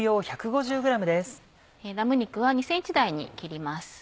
ラム肉は２ｃｍ大に切ります。